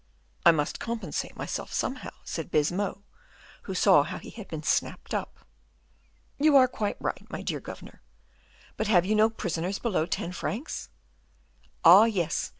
"I must compensate myself somehow," said Baisemeaux, who saw how he had been snapped up. "You are quite right, my dear governor; but have you no prisoners below ten francs?" "Oh, yes!